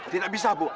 tidak bisa bu